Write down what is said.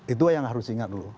itu yang harus diingat dulu